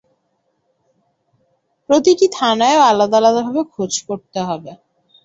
প্রতিটি থানায়ও আলাদা-আলাদাভাবে খোঁজ করতে হবে।